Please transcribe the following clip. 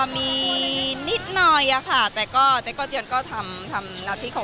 อ๋อมีนิดน้อยอะค่ะแต่ก็แต่ก็เจียนก็ทำทํงานที่